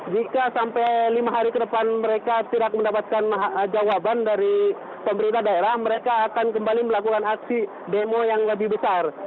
jika sampai lima hari ke depan mereka tidak mendapatkan jawaban dari pemerintah daerah mereka akan kembali melakukan aksi demo yang lebih besar